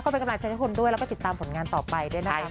เป็นกำลังใจให้คนด้วยแล้วก็ติดตามผลงานต่อไปด้วยนะคะ